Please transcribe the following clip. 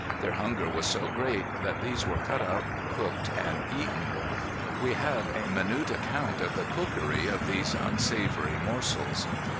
Their hunger was so great that these were cut up, cooked, and eaten. We have a minute account of the cookery of these unsavory morsels.